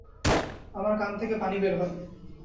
আমার কান থেকে পানি বের হয়।